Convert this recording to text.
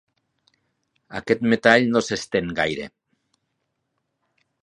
Aquest metall no s'estén gaire.